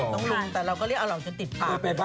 ต้องลุงแต่เราก็เรียกอ่าหลองจนติดปาก